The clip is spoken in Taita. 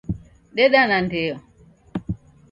Deda na ndeo